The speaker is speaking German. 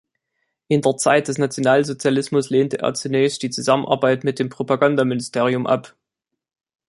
In der Zeit des Nationalsozialismus lehnte er zunächst die Zusammenarbeit mit dem Propagandaministerium ab.